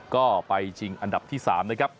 ก็ไปชิงอันดับที่๓นะครับ